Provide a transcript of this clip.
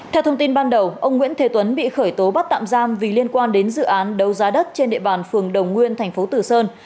theo thông tin ban đầu ông nguyễn thế tuấn bị khởi tố bắt tạm giam vì liên quan đến dự án đấu giá đất trên địa bàn phường đồng nguyên thành phố tử sơn